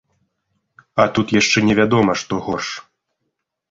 А тут яшчэ невядома што горш.